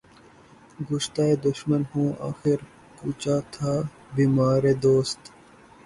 کُشتۂ دشمن ہوں آخر، گرچہ تھا بیمارِ دوست